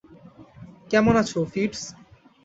কেমন আছ, ফিটজ?